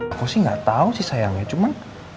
aku sih gak tau sih sayangnya cuman